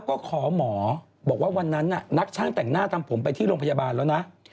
ก็ขอหมอบอกว่าวันนั้นนักช่างแต่งหน้าทำผมไปที่โรงพยาบาลแล้วนะ